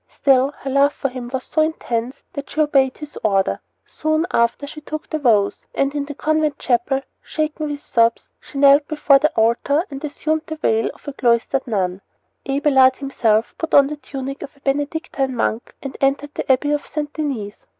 Still, her love for him was so intense that she obeyed his order. Soon after she took the vows; and in the convent chapel, shaken with sobs, she knelt before the altar and assumed the veil of a cloistered nun. Abelard himself put on the black tunic of a Benedictine monk and entered the Abbey of St. Denis.